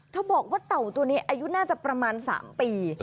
บอกว่าเต่าตัวนี้อายุน่าจะประมาณ๓ปี